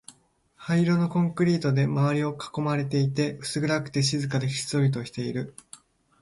灰色のコンクリートで周りを囲まれていて、薄暗くて、静かで、ひっそりとしている